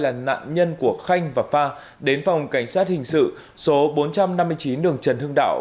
công an tp hcm thông báo ai là nạn nhân của khanh và phan đến phòng cảnh sát hình sự số bốn trăm năm mươi chín đường trần hưng đạo